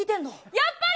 やっぱり！